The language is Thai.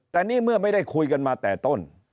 แต่นี่เมื่อไม่ได้คุยกันมาแต่ต้น